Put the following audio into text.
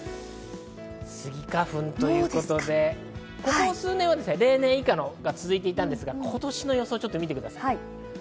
スギ花粉ということで、ここ数年は例年以下が続いていたんですが、今年の予想を見てください。